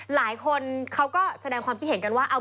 หลายคนเขาก็แสดงความคิดเห็นกันว่า